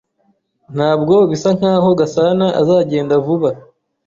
Ntabwo bisa nkaho Gasanaazagenda vuba.